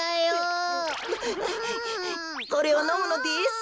これをのむのです。